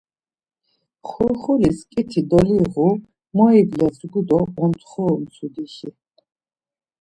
Xurt̆ulis ǩiti doliğu, moibledzgu do ontxoru mtsudişi.